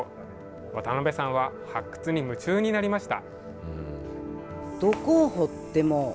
渡邊さんは発掘に夢中になりました。